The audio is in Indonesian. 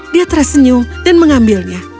dia tersenyum dan mengambilnya